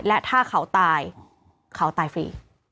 และถ้าเขาตายเขาตายฟรี